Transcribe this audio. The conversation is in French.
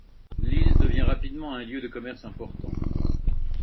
L'île devient rapidement un lieu de commerce important.